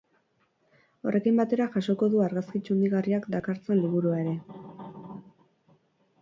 Horrekin batera jasoko du argazki txundigarriak dakartzan liburua ere.